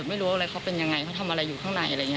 ไม่รู้ว่าอะไรเขาเป็นยังไงเขาทำอะไรอยู่ข้างใน